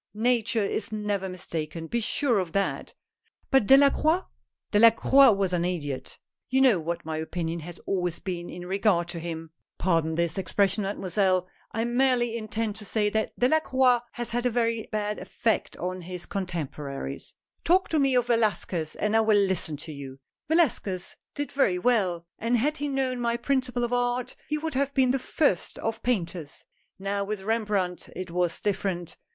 Nature is never mistaken, be sure of that." " But Delacroix ?"" Delacroix was an idiot. You know what my opin ion has always been in regard to him — pardon this 142 HOW PICTURES ARE MADE. expression, Mademoiselle — I merely intend to say that Delacroix has had a very bad effect on his contempo raries. Talk to me of Velasquez and I will listen to you." "Velasquez did very well, and had he known my principle of art, he would have been the first of paint ers. Now with Rembrandt, it was different.